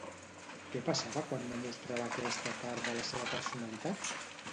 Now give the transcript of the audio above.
Què passava quan no mostrava aquesta part de la seva personalitat?